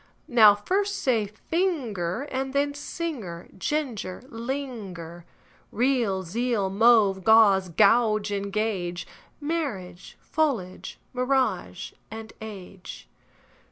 ) Now first say: finger, And then: singer, ginger, linger. Real, zeal; mauve, gauze and gauge; Marriage, foliage, mirage, age.